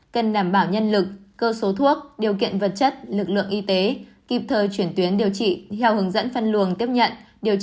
cần đảm bảo nhân lực cơ số thuốc điều kiện vật chất lực lượng y tế